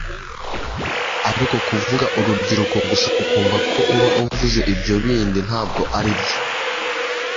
ariko kuvuga urubyiruko gusa ukumva ko uba uvuze ibyo bindi ntabwo aribyo